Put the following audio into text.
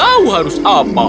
aku harus mencari makanan